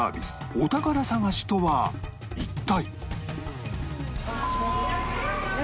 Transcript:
お宝探しとは一体